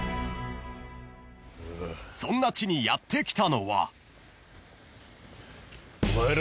［そんな地にやって来たのは］